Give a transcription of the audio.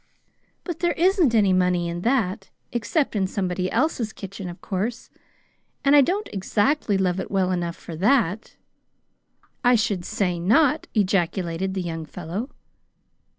But there isn't any money in that except in somebody else's kitchen, of course. And I I don't exactly love it well enough for that!" "I should say not!" ejaculated the young fellow.